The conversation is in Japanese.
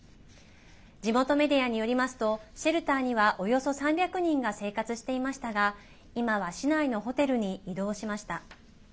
地元メディアによりますとシェルターにはおよそ３００人が生活していましたが今は市内のホテルに移動しました。